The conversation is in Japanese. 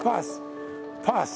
パス。